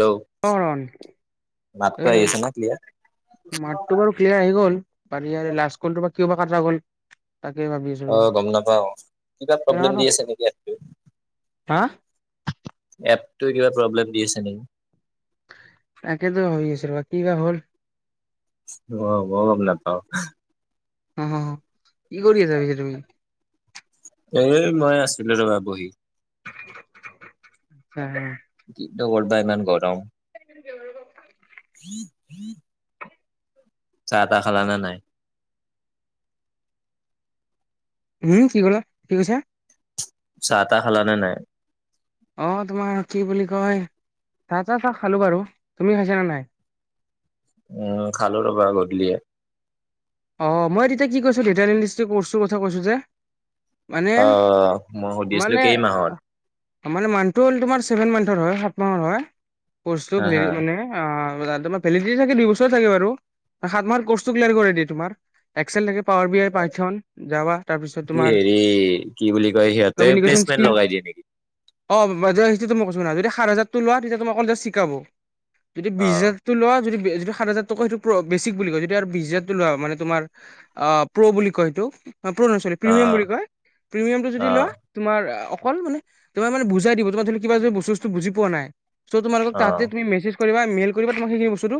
Hello আহি আছে ন ক্লিয়াৰ? মাতটো বাৰু ক্লিয়াৰ আহি গ'ল বাৰু ইয়াৰে লাষ্ট কলটো বা কিয় বা কাটা গ'ল। তাকে ভাবি আছো ৰবা অ', গম নাপাওঁ, কিবা প্ৰব্লেম দি আছে নেকি এপটো? হা এপ তো, কিবা প্ৰব্লেম দি আছে নি তাকেতো ভাবি আছিলোঁ ৰ, কিবা হ'ল? অ', ময়ো গম নাপাওঁ। [unintelligible] ‌ কি কৰি‌ আছা [unintelligible] তুমি? এ, মই আছিলোঁ ৰ'বা বহি। [unintelligible] কিনো কৰবা ইমান গৰম। চাহ, তাহ খালানে নাই? হম, কি ক'লা? কি কৈছা? চাহ, তাহ খালানে নাই? অ', তোমাৰ কি বুলি কয়, চাহ, তাহ খালোঁ বাৰু, তুমি খাইছানে নাই? উম, খালোঁ ৰ'বা গধূলি। অ', মই তেতিয়া কি কৈছোঁ, [unintelligible] কৰ্চটোৰ কথা কৈছোঁ যে মানে, অ' মই সুধি আছিলো মানে, কেই মাহত? মানে, মানুহটো হ'ল তোমাৰ ছেভেন মান্থৰ হয়, সাত মাহৰ হয়। কৰ্চটো হা হা। [unintelligible] মানে অ' তোমাৰ বেলিদিটি চাগে দুই বছৰ থাকে বাৰু সাত মাহৰ কটো কোৰ্চ কৰেই দি তোমাৰ এক্সেল লে পাৱাৰ বি আই পাঠ যাবা তাৰপিছত কি তোমাৰ হেৰি কি বুলি কয় সিহঁতে কমিউনিকেশ্যন প্লেচমেন্ট স্কিল লগাই দিয়ে নেকি? অ মই কৈছ না যদি সাত হাজাৰ লোৱা তেতিয়া তুম অকল জাষ্ট শিকাব। যদি বিশ অ' হাজাৰটো লোৱা যদি যিটো সাত হাজাৰ টকা সেইটো প্ৰ' বেচিক বুলি কয়, যদি আৰু বিশ হাজা মানে তোমাৰ অ' প্ৰ' বুলি কয় সেইটো। প্ৰ' নহয় চৰি, অ' প্ৰিমিয়াম অ' বুলি কয় প্ৰিমিয়ামটো যদি লোৱা অ' তোমাৰ কল মানে তোমাৰ মানে বুজাই দিব তোমাৰ ধৰিলোৱা কিবা যদি বস্তু-চস্ত বুজি পোৱা নাই। চ' তোমালোকৰ তাতে অ' তুমি মেছেজ কৰিবা, মেইল কৰিবা তোমাক সেইখিনি বস্তুটো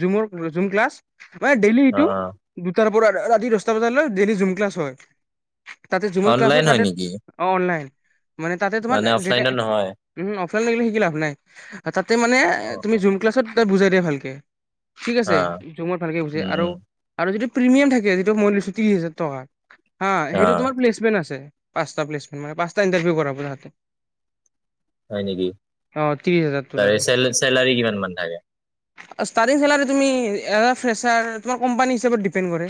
জুমৰ-জুম ক্লাছ। মানে, অ [unintelligible] দুটাৰ পৰা, ৰাতি দহটা বজালৈ ডেইলি জুম ক্লাছ হয়। তাতে জুমৰ ক্লাছ অনলাইন হয়, তাতে নেকি? অ' অনলাইন। মানে তাতে তোমাৰ মানে অফলাইনত নহয়? [unintelligible] অফলাইনত শিকি লাভ নাই। তাতে মানে অ' তুমি অ' জুম ক্লাছত তাত বুজাই দিয়ে ভালকে। ঠিক আছে, অ' জুমত ভালকে বুজাই। উম আৰু, উম আৰু যিটো প্ৰিমিয়াম থাকে, যিটো মই লৈছো ত্ৰিশ হাজাৰ টকা। আ' সেইটো অ'। তোমাৰ প্লেচমেণ্ট আছে। পাঁচটা প্লেচমেণ্ট মানে পাঁচটা ইণ্টাৰভিউ কৰা তাতে, হয় নেকি হাজাৰটোত তাৰে আৰু। চে চেলাৰী কিমান মান থাকে। ষ্টাৰ্টিং চেলাৰ তুমি ফ্ৰেছাৰ তোমাক, কোম্পানী হিচাপত দিপেণ্ড কৰে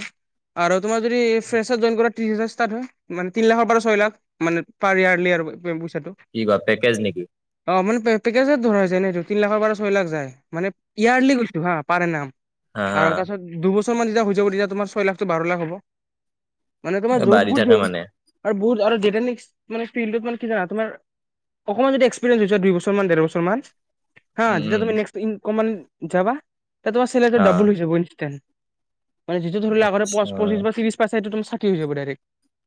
আৰু তোমাৰ যদি ফেচাৰ জইন কৰা তিছ হাজাৰ ষ্টাৰ্ট হয় মানে তিনিলাখ পৰা ছয় লাখ মানে পাৰি আৰু পইচাটো। কি বা পেকেজ নেকি। অ মানে পেকেজত ধৰা হৈছোয় নটো তিন লাখৰ পৰা ছয় লাখ যায় মানে ইয়াৰ্লি গৈছো হা পাৰে নাম, হা দুবছৰমান যেয়া হৈ যাব তেতিয়া তোমাৰ ছয়াখটো বাৰ লাখ হ'ব। মানে তোমাৰ এ যত বাঢ়ি বহুত থাকে জলি মানে আৰু বহুত, আৰু যেতিয়া নেকি জান তমাৰ অকমান যদি এক্সপিৰিয়েঞ্চ হৈছে দুই বছৰমান দেৰ বছৰ মান। হা উম উম যেতিয়া তুমি নেক্ট ই অকমান যাবা। তেতিয়া তোমাৰ চেলেৰীটো অ ডাবোল হৈজাব, মান যিটো ধৰিলে আগতে আচ্ছা পচিছ বা ত্ৰিছ পাইছে সেইটো তুমি থাৰ্টি হৈ যাব ডাইৰেক্ট।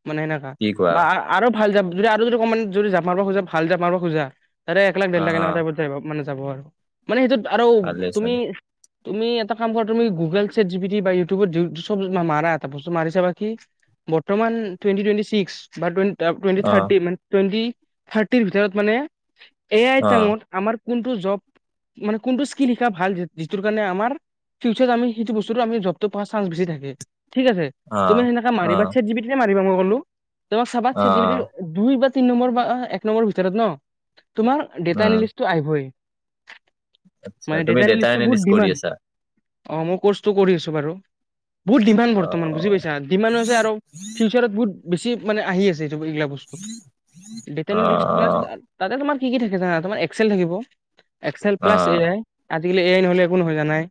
মানে সেনেকা কি কোৱা বা আৰু ভাল যাম যদি আৰু যদি অকণমান যদি জাপ মাৰবা খোজা, ভাল জাপ মাৰবা খোজা। তাৰে এক লাখ, দেৰ অ লাখ হা এনেকা টাইপত আহিব মানে যাব আৰু মানে সেইটোত আৰু তুমি ভালেচোন তুমি এটা কাম কৰা তুমি গুগল চাটজিপিতি বা ইউটিউবত মাৰা, এটা বস্ত মাৰি চাবা কি বৰ্তমান টুৱেন্টি, টুৱেন্টি ছিক্স বা টুৱেন্টি টুৱণ্টি, অ থাৰ্টি মানে টুৱণ্টি। থাৰ্টিৰ ভিতৰত মানে এই অ আইটেমৰ আমাৰ কোনটো জব মানে কোনটো স্কিল শিকা ভাল, যিটোৰ কাৰণে আমাৰ ফিউচাৰত আমি সেইটো বস্তুটো আমি জবটো পোৱাৰ চান্স বেছি থাকে। ঠিক আছে অ তুমি সেনেকে অ মাৰিবা চাটজিপিতিতে মা মই গ'লো। তোমাক চাবা অ অ চাটজিপিতিৰ দুই বা তিনি নম্বৰ বা এক নম্বৰ ভিতৰত ন'। তোমাৰ ডেটা উম এনলিচটো আহিবই। আচ্ছা মানে ডেটা তুমি এনালিষ্টটো বহুত ডেটাএনিলিষ্ট ডিমাণ্ড কৰি আছা? অ' মোক কৰ্চটো কৰি আছো বাৰু বহুত ডিমাণ্ড অ বৰ্তমান বুজি পাইছা, ডিমাণ্ড হৈছে আৰু ফিউচাৰত বহুত বেছি মানে আহি আছে। এইগিলা বস্তু, ডেটেল অ অ [unintelligible] তাতে তোমাৰ কি কি থাকে জানা, তোমাৰ এক্সেল থাকিব। এক্সেল অ প্লাছ এ আই আজিকালি এ আই নহ'লে একো নহয় জানাই।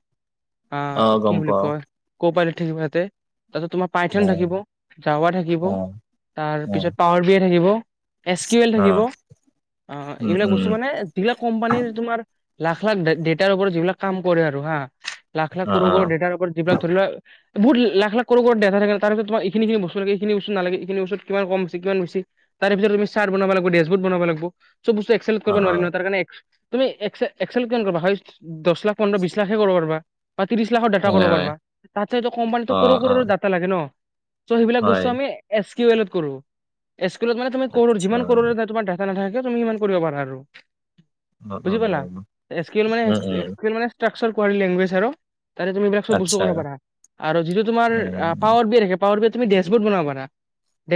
অ' কি গম বুলি পাও কয় ক' পালি। ঠিক মতে। তাত তোমাৰ পাইথন হয় থাকিব, জাৱা থাকিব অ অ তাৰপিছত পাৱাৰ বি এ থাকিব। এচ কিউ এল থাকিব অ' উম এইবিলাক উম বস্তু উম মানে যিবিলাক কোম্পানী তোমাৰ লাখ লাখ ডেটাৰ ওপৰত যিবিলাক কাম কৰে আৰু হা লাখ, লাখ, অ কৰোৰ, অ কৰোৰ ডেটাৰ ওপৰত যিবিলাক ধৰি লোৱা বহুত লাখ লাখ দো থাকে তাৰিছ তোম এইখিনি বস্তু লাগে এইখিনি নাগে এইখিনিস্তু কিমান কমছ কিমান বছ তাৰপিত তুম বনাব লাগিব ডেছবু বনাব লাগিব। [unintelligible] চব বস্তু এক্সেল অ কৰিব অ নোৱাৰি ন ত কাৰণে, তুমি একেল এক্সেল কিমান কৰিবা দহ লাখ পোন্ধৰ বিশছ লাখে কৰিব পাৰিবা। বা ত্ৰিশ লাখৰ ডাটা হয় কৰিব হয় পাৰা তাতো অ অ কোম্পানীতো ডাটা লাগে ন। চ সেইবিলাক হয় বস্তু আমি এ, এট কৰো এ তানে তুম কৰ আচ্ছা যিমান কৰো তোমাৰ, নাথাকে তুমি ইমান কৰিব পাৰা আৰু অ অ বুজি পাল না উম স্কিল মানে উম মানে, কাৰোৱাৰ লেংগুৱেজ, হেৰ, তাৰে তুমি এইবিলাক চব বস্তু আচ্ছা ক'ব পাৰা আৰু যিটো তোমাৰ অ আহ পাৱাৰ বি পাৱাৰ বি, তুমি ড্ৰেছবৰ্ড বনাবানা।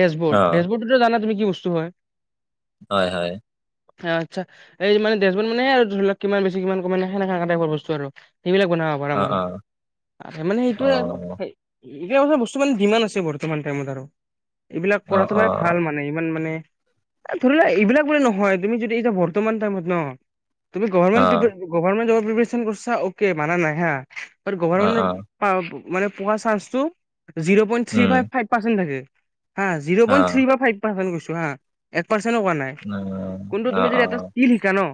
ডেছবৰ ডেছবৰ্ডটো জানা তুমি কি বস্তু হয়। হয় হয়। আচ্ছা এই মানে দেজবোত মানে ধৰি লওক কিমান বেছি কিমান কম মানে সেনে সেনে টাইপৰ বস্তু সেইবিলাক বনাব পাৰ অ মানে অ মানে অ সেইটোৱে আৰু এতিয়া কিছুমান বস্তু মানে দিমান আছে বৰ্তমান টাইমত আৰু এইবিলাক অ কৰাটো মানে ভাল মানে ইমান মানে এ ধৰি লোৱা এইবিলাক বোলে নহয় তুমি যদি এতিয়া বৰ্তমান টাইমত ন তুমি অ গৰমেন্ট পি গৰমেন্ট জব পিপৰিছন কৰিছা অকে মানা নাই হা বাট অ অ অ গভাৰ্ণমেণ্ট পা মানে পো চান্সটো zero point three um five five percent থাকে হা জিৰ' অ পইন্ট থ্ৰী বা ফাইভ পাচেন্ট কৈছো হা এক পাৰ্চেনো কোৱা নাই কোনটোত অ তুমি অ যদি ইচকিল শিকা ন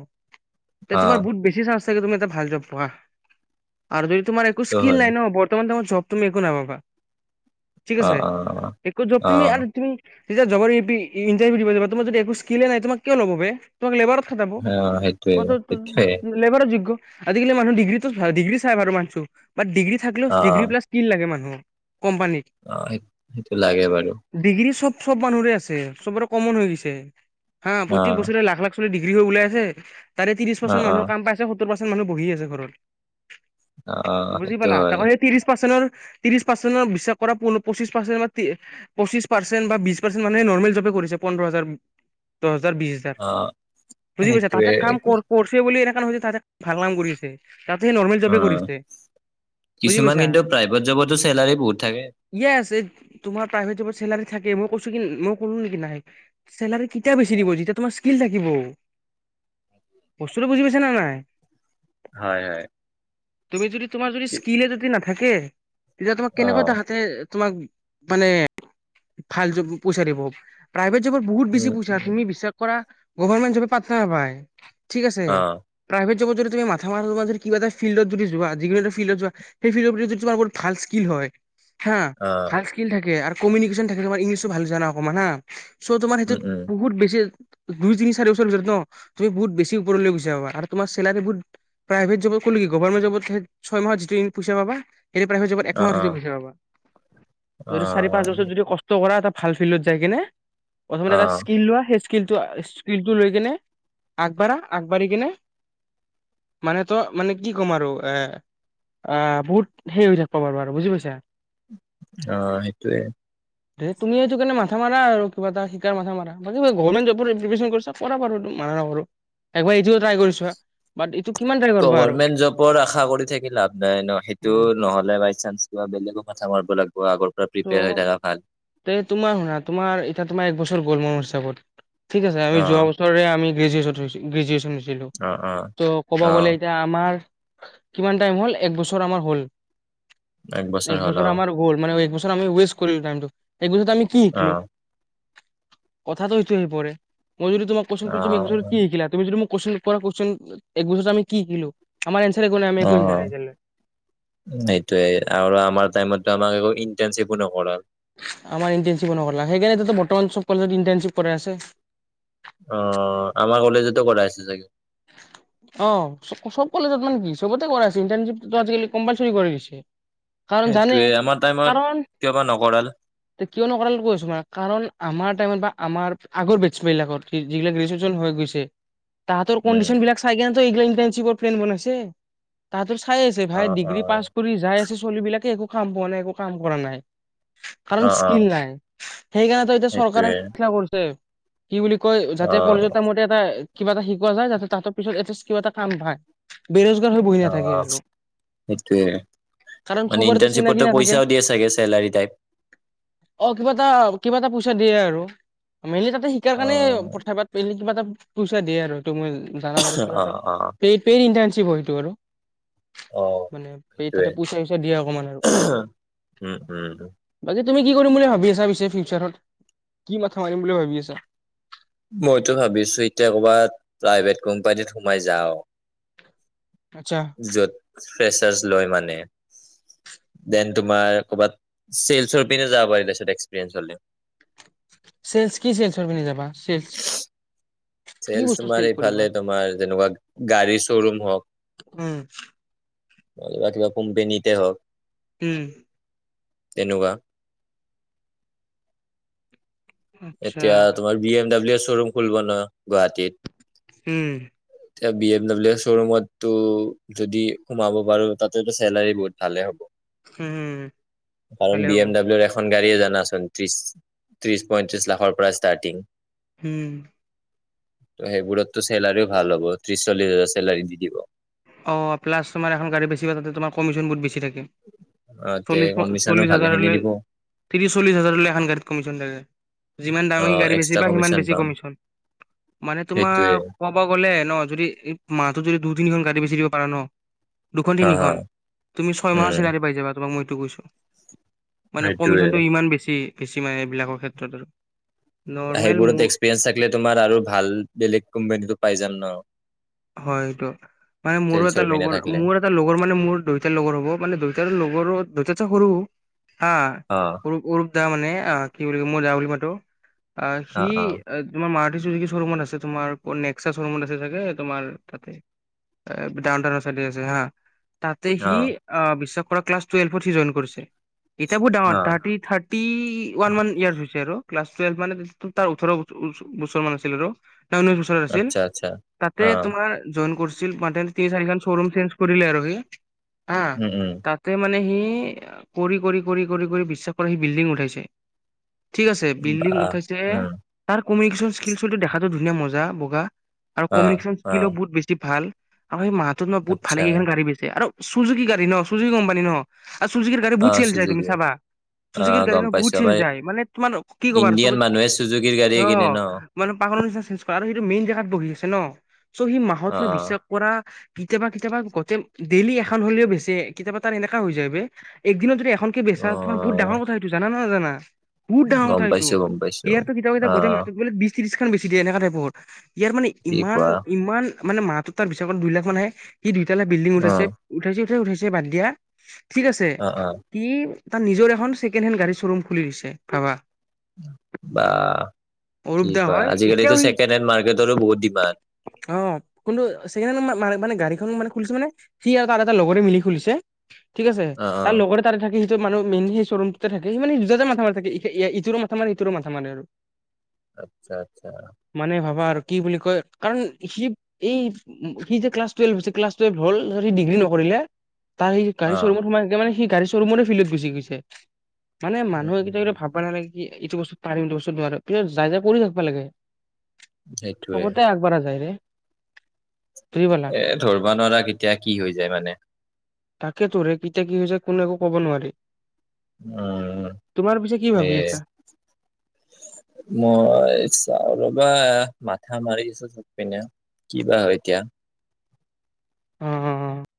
অ তোমাৰ বেছি চানন্স থাকে তুমি এটা ভাল জব পোৱা আৰু [unintelligible] তোমাৰ একো সেইটো স্কিল হয় নাই ন বৰ্তমান তোমাৰ জব তুমি একো নাপাবা। ঠিক অ আছে অ এক কৰ য অ তুমি আৰু তুমি যেতিয়া জবৰ ই পি ইণ্টাৰভিউ দিব যাবা তোমাৰ যদি একো্ ইস্কিলে নাই তোম কিয় ল'ব বে তামাক লেবাৰত খাতাব অ সেইটোৱে কত সেইটোৱে লেবাৰৰ যোগ্য আজিকালি মানু ডিগ্ৰী ডিগ্ৰী চাই বাৰু মানছো বাট ডিগ্ৰী থাকলেও অ ডিগ্ৰী প্লাছ স্কিল‌ লাগে মানুহৰ। অ সেই সেইটো লাগে বাৰু ডিগ্ৰী চব চব মানুহৰে আছে চবৰে কমন হৈ গৈছে হা অ প্ৰত্যেক বছৰে লাখ লাখ আপোনি ডিগ্ৰী হৈ ওলাই আছে তাৰে ত্ৰিছ অ পাৰচেণ্ট অ মানুৰ কাম পাইছে সত্ৰৰ পাৰ্চেন্ত মানুহ বহি আছে ঘৰত। অ অ, বুজি সেইটো পালা হয় তাক সেই ত্ৰিশ পাৰ্চেন্টৰ ত্ৰিশ পাৰ্চেন্ট বিশ্বাস কৰা পঁচিছ পাৰ্চেন্ট পাৰ্চেন্ট বা‌ বিশ পাচেন্ট মানুহে নৰ্মেল জবে কৰিছে পোন্ধৰ হাজাৰ দশ বিশ হাজাৰ অ বুজি পাইছা তাতে সেইটোৱে কাম কৰছে বুলি ন যিমান হৈছে তাতে ভাল নাম কৰি আছে তাতে নৰ্মেল অ জব কৰিছে বুজি কিছুমান পাইছায় কিন্তু প্ৰাইভেট জবতো চেলাৰী বহুত থাকে এই তোমাৰ তাই হৈ যাব চেলাৰী থাকে মই কৈছো নেকি মই কলো নেকি নাহে চেলাৰী কেতিয়া বেছি দিব যেতিয়া তোমাৰ স্কিল থাকিব বস্তুতো বুজি পাই ন নাই হয় হয় তুমি যদি তোমাৰ যদি স্কিল যদি নাথাকে থাকে তেতিয়া তোমাক অ কেনেকুৱা তাহাতে তোমাক মানে ভাল পইচা দিব প্ৰাইভেট আজি যুগত বহুত বেছি উম পইছা উম, তুমি বিশ্বাস কৰা গভাৰমেণ্ট জপে পাট্টা নাপায় ঠিক আছে অ প্ৰাইভেট টোবো উদি মা ধেমালোৱা যদি কিব এটা ফিল্ডত যদি যোৱা দিঘলীয়াতী ফিল্ডত যোৱা সেই ফিল্ডৰ যদি তোমাৰ ভাল স্কিল হয় হা অ ভাল স্কিল থাকে কমিউনেকিশ্চন‌ থাকিলে তোমাৰ ইংলিছো ভাল জানা অকণমান হা চ' তোমাৰ উম সেইটোত উম বহুত বেছি দুই, তিনি, চাৰি বছৰৰ ভিতৰত ন, তুমি বহুত বেছি ওপৰলৈ গুচি যাবা আৰু তোমাৰ চেলাৰী বহুত প্ৰাইভেট জবত কলো কি গভাৰ্ণমেণ্ট জবত ঠাইত ছয় মাহত যিটো ইন পইচা পাবা সেইটো প্ৰাইভেট জবত অ একমাহ অ অধিককৈ পইচা পাবা। যদি চাৰি, অ পাঁচ বছৰ যদি কষ্ট কৰা এটা ভাল ফিল্ডত যায় কেনে অ প্ৰথমতে এটা স্কিল লোৱাে, সেই স্কিলটো, স্কিলটো লৈ কেনে আগবাঢ়া, আগবাঢ়ি কেনে মানে ত, মানে কি ক'ম আৰু এ আহ বহুত হেৰি হৈ থাকবা পাৰবা আৰু বুজি পাইছা? অ' সেইটোৱে। হে তুমি সেইটো কাৰণে মাথা মাৰা আৰু কিবা এটা শিকাৰ মাথা মাৰ। বাকী গৰ্ভমেণ্ট জবৰ এক্সিবিচন কৰচা কৰা বাৰু মানা নকৰো। এবাৰ ইটো ট্ৰায় কৰি চোৱা। বাট এইটো কিমান ট্ৰাই কৰবা আৰু গভাৰ্ণমেণ্ট জবৰ আশা কৰি থাকি লাভ নাই ন, সেইটো নহ'লে বাইচাঞ্চ কিবা বেলেগো মাঠা মা লাগ ত', তে তোমাৰ শুনা তোমাৰ এতিয়া তোমাৰ এক বছৰ গ'ল মোৰ চাপ'ৰ্ট ঠিক আছে, অ আমি যোৱা বছৰে আমি গ্ৰেজুৱেটত থৈছিল, গ্ৰেজুৱেচন হৈছি লো, অ অ ত' ক'ব অ গ'লে এতিয়া আমাৰ কিমান টাইম হ'ল এক বছৰ আমাৰ হ'ল। এক বছৰ আমাৰ হ'ল মানে এক বছৰ আমি ওৱাস্ট কৰিলো টাইমটো। এক বছৰত আমি কি অ শিকলো? কথাটো সেইটোৱে হৈ পৰে। মই যদি তোমাক কোৱেচন অ সুধো তুমি এক বছৰত কি শিকিলা? তুমি যদি মোক কোৱেচন পৰা কোৱেচন এক বছৰত আমি কি শিকিলো? আমাৰ এনচাৰ একো নাই আমি একো অ', শিকা অ, নাই এতিয়ালৈ ' সেইটোয়ে আৰু আমাৰ টাইমতো আমাক একো ইন্টানশিপো নকৰাল। আমাৰ ইণ্টাৰনশিপ নকৰলা। সেইকাৰণেতোটো বৰ্তমান চব কলেজত ইণ্টাৰ্নশ্বিপ কৰাই আছে। অ' আমাৰ কলেজতো কৰাই আছে চাগে। অ' চব চব কলেজত মানে কি? চবতে কৰাই আছে, ইন্টাৰশিপটোতো আজিকালি কম্পালচৰি কৰা গেছি। কাৰণ জানে, সেইটোয়ে আমাৰ টাইমত কাৰণ কিয় বা নকৰাল ত' কিয় নকৰালে কৈ আছো না। কাৰণ আমাৰ টাইমত বা আমাৰ আগৰ বেস্ত বিলাকত, যিগিলাক গ্ৰেজুৱেচন হৈ গৈছে তাহাঁতৰ উম কন্ডিশ্যন বিলাক সিহঁতৰ এইগিলাক ইন্টানশিপৰ ফ্ৰেণ্ড বনাইছে। তাতো খাই আছে অ ভাই। অ ডিগ্ৰী পাছ কৰি যাই আছে ছলি বিলাকে একো কাম পোৱা নাই একো, কাম কৰা নাই। অ কাৰণ অ স্কিল নাই। সেইকাৰণে তো এতিয়া চৰকাৰে সেইটোয়ে এতিয়া সুবিধা কৰিছে। কি বুলি কয় অ যাতে কলেজৰ টাইম তে এটা কিবা এটা শিকোৱা যাতে তাতে। পিছত এটাছ কিবা এটা কাম ভাই। বেৰোজগাৰ হৈ বহি অ নাথাকে আৰু সেইটোয়ে কাৰণ মানে চবৰেতো চিনাকি ইন্টাৰ্ণশ্বিপতো নাথাকে পইচাও দিয়ে চাগে চেলাৰী টাইপ অ', কিবা এটা কিবা এটা প'ষ্ট চা দিয়ে আৰু। মেইনলি তাতে শিকাৰ অ', কাৰণে পথাৰ পাতবি কিবা এটা পইচা দিয়ে আৰু সেইটো মই জাগাত আৰু কিবা এটা অ', অ', এই পেইড চিপ সেইটো আৰু। অ'। মানে এই সেইটোৱে তাতে পইচা তইছা দিয়ে অকমান আৰু উম, উম, বাকী তুমি কি কৰিম বুলি ভাবি আছা পিছে ফিউচাৰত? কি মাথা মাৰিম বুলি ভাবি আছা? মইতো ভাবিছো এতিয়া ক'বাত প্ৰাইভেট কোম্পানীত সোমাই যাওঁ। আচ্ছা য'ত ফ্ৰেচাৰ্চ লয়, দেন তোমাৰ মানে চেলছৰ পিনে যাব পাৰি তাৰপিছত এক্সপেৰিয়েণ্স হ'লে। চেল্ছ কি চেল্ছৰ পিনে যাম? বা চেল্ছ চেল্ছ তোমাৰ এফালে তোমাৰ যেনেকুৱা গাড়ী শ্ব'ৰুম হওঁক। উম বা কিবা কোম্পানীতে হওঁক। উম। তেনেকুৱা। আচ্ছা এতিয়া তোমাৰ বি এম ডাব্লিউ [unintelligible] গুৱাহাটীত। উম এতিয়া বি এম ডাব্লিউ শ্ব'ৰুমত টো যদি সোমাব পাৰো, তাতেতো চেলাৰী বহুত ভালে হ'ব। উম কাৰণ ভালে বি হ'ব এম ডাব্লিউৰ এখন গাৰীয়ে জানাচোন, ত্ৰিশ-ত্ৰিশ পঁয়ত্ৰিছ লাখৰ পৰাই ষ্টাৰ্টিং। হম। ত' সেইবোৰততো চেলাৰিও ভাল হ'ব, ত্ৰিশ চল্লিছ হাজাৰ চেলাৰি দি দিব। অ', প্লাছ তোমাৰ এখন গাৰী বেছিবা, তাতে তোমাৰ কমিশন বহুত বেছি থাকে। অ তে কমিশনো চল্লিশ-চল্লিশ ভালেখিনি হাজাৰলে, দিব ত্ৰিশ-চল্লিশ হাজাৰলৈ এখন গাড়ীত কমিচন থাকে। যিমান অ দামী গাড়ী এক্সট্ৰা বেছিবা, সিমান কমিশন বেছি পাম কমিচন। মানে তোমাৰ সেইটোয়ে কব গ'লে ন, যদি মাহটোত যদি দুই তিনিখন গাড়ী বেচি দিব পাৰা ন' দুখন হা হা তিনিখন, তুমি ছয় মাহৰ উম চিলেৰী পাই যাবা, তোমাক মই [unintelligible] কৈছো। মানে সেইটোয়ে কমিচনটো ইমান বেছি। বেছি মানে এইবিলাকৰ ক্ষেত্ৰত আৰু। নৰ্মেল সেইবোৰত মোৰ এক্সপিৰিয়েঞ্চ থাকিলে তোমাৰ আৰু ভাল বেলেগ কোম্পানীটো পাই যাম ন'। হয় এইটো মানে মোৰো এটা চেলচৰ পিনে লগৰ থাকিলে মোৰ এটা লগৰ মানে মোৰ দওটাৰ লগৰ হ'ব মানে দওটাৰ লগৰো দেউতাত চে সৰু? হা অ [unintelligible] দুটা মানে অ' কি বুলি কয় মই [unintelligible] বুলি মাতো। অ' সি তোমাৰ মাৰ [unintelligible] ৰুমত আছে তোমাৰ নেক্সচা শ্বৰুমত আছে চাগে। তোমাৰ তাতে অ, ডাউনটাউনৰ চাইদে আছে হা। তাতে সি অ অ' বিশ্বক পৰা ক্লাছ টুৱেল্ভত সি জইন কৰিছে। ইতা বহোত ডাঙৰ অ থাৰ্টি-থাৰ্টি থাৰ্টি ওৱান মান ইয়াৰ্চ হৈছে আৰু ক্লাছ টুৱেল্ভ মান তাৰ ওঠৰ বছৰ মান আছিল আৰু। তাৰ ঊনৈশ বছৰ হৈছিল। আচ্ছা আচ্ছা তে অ তোমাৰ জইন কৰিছিল [unintelligible] তিনি চাৰিখন শ্বৰুম চেঞ্জ কৰিলে আৰু সি। আ উম উম তাতে মানে সি ই কৰি -কৰি- কৰি - কৰি - কৰি বিশ্বাস কৰা সি বিল্ডিং উঠাইছে। ঠিক আছে বিল্ডিং বাহ উঠাইছে, উম তাৰ কমিউনিকেশ্যন স্কিল [inaudible] দেখাটো ধুনীয়া নে মজা বগা। আৰু অ কমিউিকেশ্যন অ স্কিলো বহুত বেছি ভাল। আৰু এই মাহ [unintelligible] মাহটোত বহুত আচ্ছা ভালেকেইখন গাড়ী বিছে আৰু চুজুকি গাড়ী ন চুজুকি কোম্পানী ন' আৰু চুজুকিৰ গাড়ী অ বহুত চেল যায়, তুমি চুজুকি চাবা অ চুজুকিৰ গাড়ী গম ন বহুত পাইছো চেল আমাৰ যায় মানে, তোমাৰ কি ক'বা আৰু ইণ্ডিয়ান চবত মানুহে চুজুকিৰ গাড়ীয়ে কিনে ন অ' মানে পাগলৰ নিচিনা চেঞ্জ কৰা আৰু সেইটো মেইন জেগাত বহি আছে। হে ন' চ' সি মাহত অ ন ' বিশ্বাস কৰা কেতিয়াবা কেতিয়াবা গোটেই ডেইলি এখন হ'লেও বেচে কেতিয়াবা তাৰ এনেকা হৈ যায় বে একদিনত যদি এখন। এখনে কে অ বেচা তোমাৰ বহুত ডাঙৰ কথাটো সেইটো জানা না নাজানা। উ [unintelligible] বহু ডাঙৰ গম কথা এইটো, পাইছো গম পাইছো ইয়াৰ টো কেতিয়াবা অ কেতিয়াবা গোটে মানুহবিলাক বিশ ত্ৰিশ লাখ। বেছি [unintelligible] ইয়াৰ কি ইমান কোৱা ইমান মানে মাহতৰ তাৰ [unintelligible] দুই লাখ মানহে দুইটালা বিল্ডিং অ উঠাইছে উঠাইছে উঠাইছে বাদ দিয়া ঠিক আছে অ অ কি? তাৰ নিজৰ এখন কেণ্ড হেণ্ড গাড়ী শ্বৰুম খুলি দিছে ভাবা। বা অৰূপ কি দা কয় হয় আজিকালো এতিয়াও সি ছেকেণ্ড হেণ্ড মাৰ্কেটৰো বহুত ডিমাণ্ড অ' কিন্তু সেইখ মানে গাড়ী মানে খুলিছে মানে সি আৰু তাৰ এটা লগৰে মিলি খুলিছে। ঠিক আছে অ অ তাৰ লগৰে তাৰে থাকি। মানুহ মেইন সেই শ্বৰুমটোতে থাক সেই মানে দুটাতে মাথা মাৰ থাকে ইটোৰ মথা মাৰে ইটোৰো মথা মাৰে আৰু। আচ্ছা আচ্ছা মানে ভাবা আৰু কি বুলি কয়? কাৰণ সি এই সি যে ক্লাছ টুৱেলভ হৈছে ক্লাছ টুৱেলভ হল ডিগ্ৰী নকৰিলে। তাৰ সেই গাড়ী অ চ' ৰুমত সমাইে মানে গাড়ী চৰু মানে ফিল্ত গুচি গৈছে মানে উম, মানুহে কেইটা কেইটা উম, ভাববা নালাগে। এইটো বস্তু পাৰিম এইটো বস্তু নোৱাৰো পি যায় যায় কৰি থাকিবা লাগে। সেইটোৱে। যাই। এ ধৰবা নৰা এতিয়া কি হৈ যায় মানে তাকে তোৰে কেতিয়া কি হৈছে কো একো কব নোৱাৰি। উম তোমাৰ পিছে কি ভাবি এই আছা? মই চ ' কিবা মাথা মাৰি আছো থ পিনে কিবা হয় এতিয়া। উম উম।